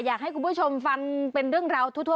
อยากให้คุณผู้ชมฟังเป็นเรื่องราวทั่ว